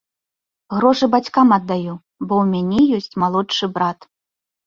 Грошы бацькам аддаю, бо ў мяне ёсць малодшы брат.